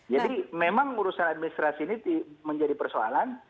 jadi memang urusan administrasi ini menjadi persoalan